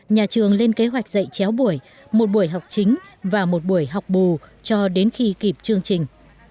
nhà trường lên kế hoạch dạy chéo buổi một buổi học chính và một buổi học bù cho đến khi kịp chương trình